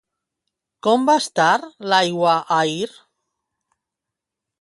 Com va estar l'aigua ahir?